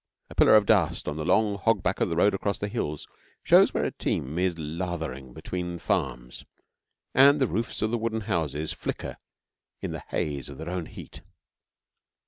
A pillar of dust on the long hog back of the road across the hills shows where a team is lathering between farms, and the roofs of the wooden houses flicker in the haze of their own heat.